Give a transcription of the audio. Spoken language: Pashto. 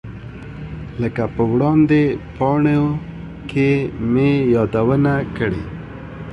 لکه په وړاندې پاڼو کې مې یادونه کړې.